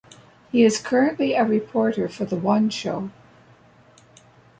He is currently a reporter for "The One Show".